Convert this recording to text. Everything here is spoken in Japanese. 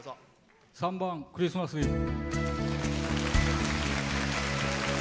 ３番「クリスマス・イブ」。